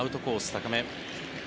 高め。